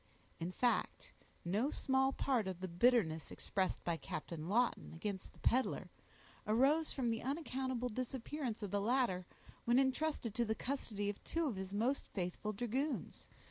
In fact, no small part of the bitterness expressed by Captain Lawton against the peddler, arose from the unaccountable disappearance of the latter, when intrusted to the custody of two of his most faithful dragoons.